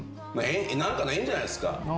何かの縁じゃないですか。